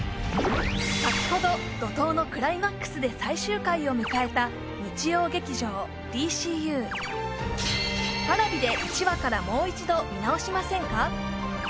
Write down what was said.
先ほど怒とうのクライマックスで最終回を迎えた日曜劇場「ＤＣＵ」Ｐａｒａｖｉで１話からもう一度見直しませんか？